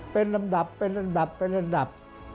เป็นลำดับมากเกินไป